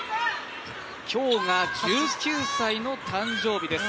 今日が、１９歳の誕生日です。